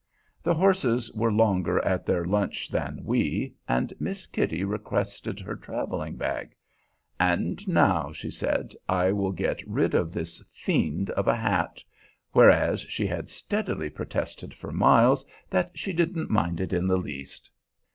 The horses were longer at their lunch than we, and Miss Kitty requested her traveling bag. "And now," she said, "I will get rid of this fiend of a hat," whereas she had steadily protested for miles that she didn't mind it in the least.